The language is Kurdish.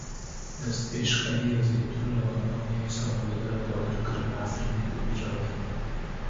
Destpêşxeriya Zeytûn li Almanyayê salvegera dagîrkirina Efrînê bi bîr anî.